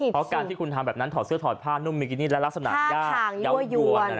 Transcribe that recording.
เพราะการที่คุณทำแบบนั้นถอดเสื้อถอดผ้านุ่มมิกินี่และลักษณะยากเยาวยวน